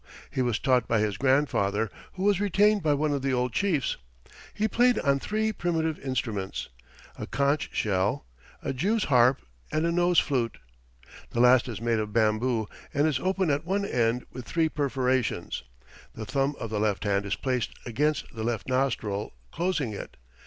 He was taught by his grandfather, who was retained by one of the old chiefs. He played on three primitive instruments a conch shell, a jew's harp and a nose flute. The last is made of bamboo, and is open at one end with three perforations; the thumb of the left hand is placed against the left nostril, closing it.